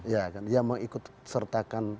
yang mengikut sertakan